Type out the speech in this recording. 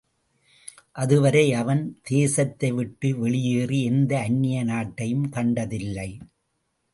அதுவரை அவன் தேசத்தை விட்டு வெளியேறி எந்த அந்நிய நாட்டையும் கண்டதில்லை.